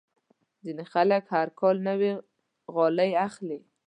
ځینې خلک هر کال نوې غالۍ اخلي.